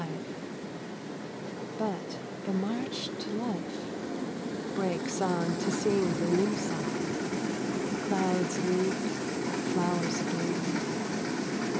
V But the march to Life .•• Break song to sing the new song ! Clouds leap, flowers bloom.